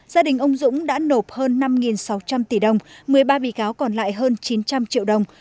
gia đình ông dũng đã nộp hơn năm sáu trăm linh tỷ đồng một mươi ba bị cáo còn lại hơn chín trăm linh triệu đồng